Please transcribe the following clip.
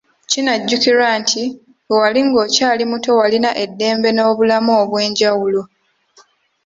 Kinajjukirwa nti ,bwe wali ng'okyali muto walina eddembe n'obulamu obwenjawulo.